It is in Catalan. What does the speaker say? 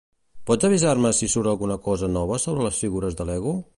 Pots avisar-me si surt alguna cosa nova sobre les figures de Lego?